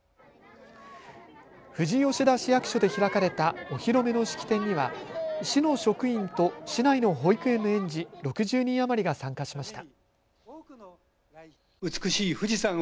富士吉田市役所で開かれたお披露目の式典には市の職員と市内の保育園の園児６０人余りが参加しました。